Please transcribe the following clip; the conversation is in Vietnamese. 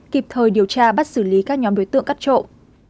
kịp thời điều tra bắt xử lý các nhóm đối tượng cắt trộm